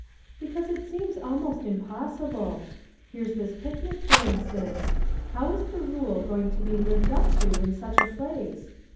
"Because it seems almost impossible. Here's this picnic, for instance. How is the rule going to be lived up to in such a place?